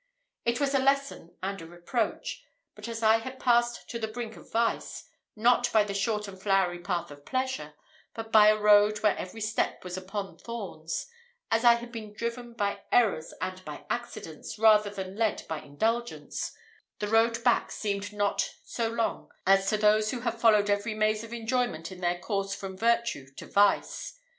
It was a lesson and a reproach; but as I had passed to the brink of vice, not by the short and flowery path of pleasure, but by a road where every step was upon thorns as I had been driven by errors and by accidents, rather than led by indulgence, the road back seemed not so long as to those who have followed every maze of enjoyment in their course from virtue to vice.